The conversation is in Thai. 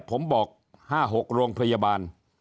ผมบอก๕๖โรงพยาบาล